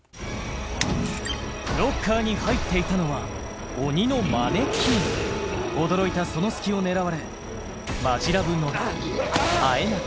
ロッカーに入っていたのは鬼のマネキン驚いたその隙を狙われマヂラブ・野田あえなく